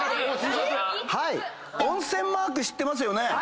温泉マーク知ってますよね？